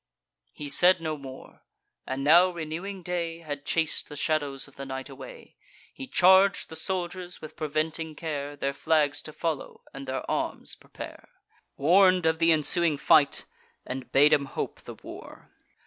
He said no more. And now renewing day Had chas'd the shadows of the night away. He charg'd the soldiers, with preventing care, Their flags to follow, and their arms prepare; Warn'd of th' ensuing fight, and bade 'em hope the war.